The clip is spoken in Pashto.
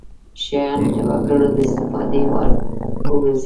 شیان د وګړو د استفادې وړ وګرځي.